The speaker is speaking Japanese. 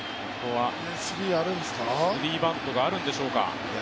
スリーバントがあるんでしょうか。